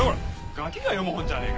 ガキが読む本じゃねえか。